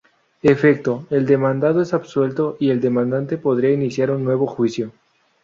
Efecto: El demandado es absuelto y el demandante podrá iniciar un nuevo juicio.